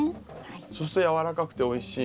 そうすると軟らかくておいしい。